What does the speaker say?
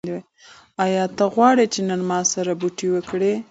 ایا ته غواړې چې نن ما سره بوټي وکرې؟